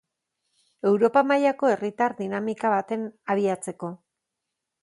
Europa mailako herritar dinamika baten abiatzeko.